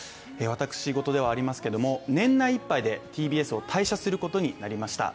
私ごとではありますけども、年内いっぱいでＴＢＳを退社することになりました。